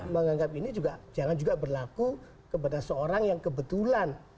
menganggap ini juga jangan juga berlaku kepada seorang yang kebetulan